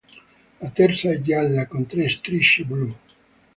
La terza è gialla con tre strisce blu.